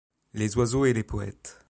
Les oiseaux et les poètes